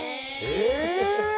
え！